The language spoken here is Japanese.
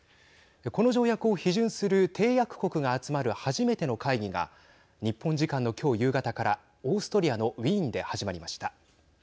この条約を批准する締約国が集まる初めての会議が日本時間のきょう夕方からオーストリアのウィーンで始まりました。